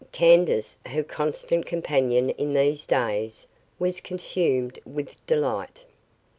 Candace, her constant companion in these days, was consumed with delight.